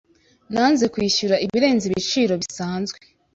Nanze kwishyura ibirenze ibiciro bisanzwe.